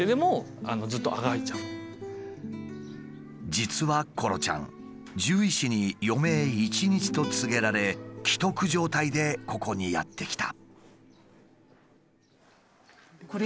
実はコロちゃん獣医師に余命１日と告げられ危篤状態でここにやって来た。